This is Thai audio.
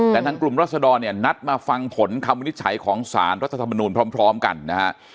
แต่ทางกลุ่มรัศดรเนี่ยนัดมาฟังผลคำวินิจฉัยของสารรัฐธรรมนูลพร้อมกันนะฮะ